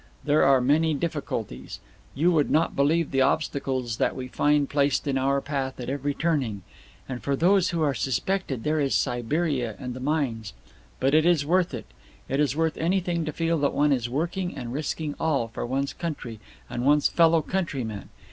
There are many difficulties. You would not believe the obstacles that we find placed in our path at every turning. And for those who are suspected there is Siberia, and the mines. But it is worth it. It is worth anything to feel that one is working and risking all for one's country, and one's fellow countrymen.